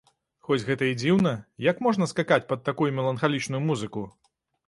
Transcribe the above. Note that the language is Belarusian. Хоць гэта і дзіўна, як можна скакаць пад такую меланхалічную музыку.